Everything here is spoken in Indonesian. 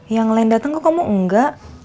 yang lain dateng kok kamu engga